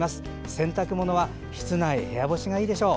洗濯物は室内・部屋干しがよいでしょう。